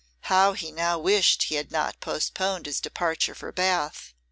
How he now wished he had not postponed his departure for Bath!